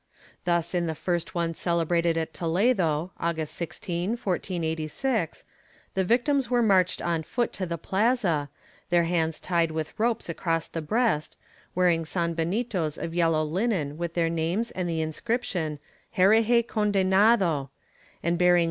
Thus in the first one celebrated in Toledo, August 16, 1486, the victims were marched on foot to the plaza, their hands tied with ropes across the breast, wearing sanbenitos of yellow linen with their names and the inscription ''herege condenado," and bearing ' Pdramo, p.